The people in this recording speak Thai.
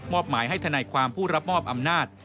หมายให้ทนายความผู้รับมอบอำนาจ